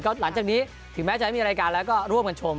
หลังจากนี้ถึงแม้จะไม่มีรายการแล้วก็ร่วมกันชม